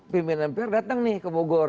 bbm dan mpr datang nih ke bogor